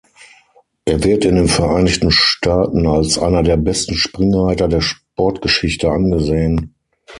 Er wird in den Vereinigten Staaten als einer der besten Springreiter der Sportgeschichte angesehen.